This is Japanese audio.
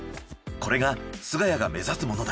これが菅谷が目指すものだ。